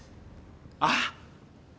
あっ。